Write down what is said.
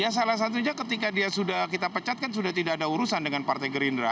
ya salah satunya ketika dia sudah kita pecat kan sudah tidak ada urusan dengan partai gerindra